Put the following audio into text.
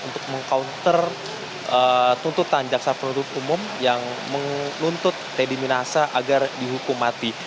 untuk meng counter tuntutan jaksa penuntut umum yang menuntut teddy minasa agar dihukum mati